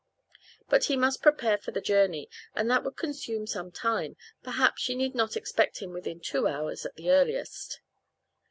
But he must prepare for the journey, and that would consume some time; perhaps she need not expect him within two hours at the earliest.